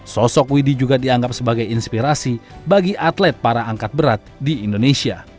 sosok widhi juga dianggap sebagai inspirasi bagi atlet para angkat berat di indonesia